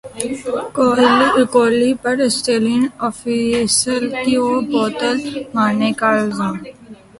کوہلی پر Australian official کو بوتل مارنے کا الزام